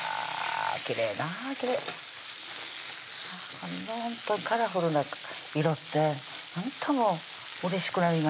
きれいなきれいほんとカラフルな色ってなんともうれしくなります